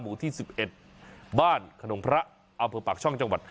หมูที่สิบเอ็ดบ้านขนมพระเอาผืนปากช่องจังหวัด